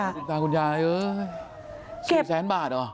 สินตาคุณยายสี่แสนบาทเหรอ